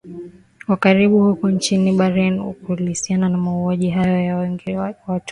wa karibu huko nchini Bahrain kuhusiana na mauaji hayo ya watu wengi